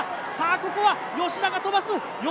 ここは吉田か飛ばす！